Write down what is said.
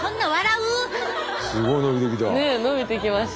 すごい伸びてきた。